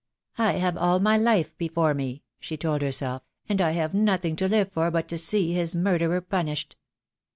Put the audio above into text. "I have all my life before me," she told herself, "and I have nothing to live for but to see his murderer punished."